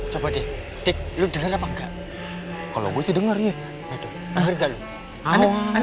coba deh lo denger apa enggak kalau gue denger ya